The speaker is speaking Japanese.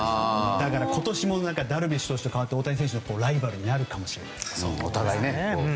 だから今年もダルビッシュ投手と代わって大谷選手のライバルになるかもしれないですね。